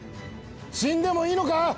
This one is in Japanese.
死んでもいいのか？